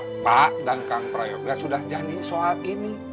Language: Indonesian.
bapak dan kang prayoga sudah janji soal ini